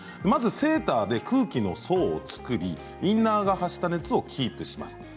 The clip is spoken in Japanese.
まずセーターで空気の層を作りインナーが発した熱をキープします。